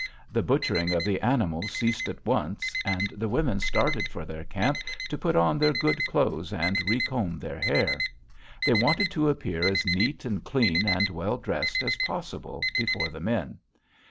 The butchering of the animals ceased at once, and the women started for their camp to put on their good clothes and recomb their hair. They wanted to appear as neat and clean and well dressed as possible, before the men.